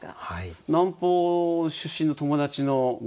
南方出身の友達のご